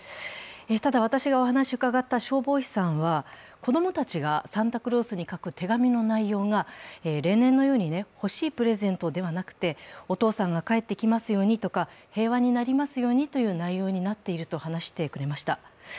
ただ、私がお話を伺った消防士さんは、子供たちがサンタクロースに書く手紙の内容が例年のように欲しいプレゼントではなくて、お父さんが帰ってきますようにとか平和になりますようにという内容になっていると話してくれました。